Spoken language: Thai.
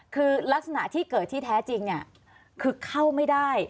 คือลักษณะที่เกิดที่แท้จริงเนี่ยคือเข้าไม่ได้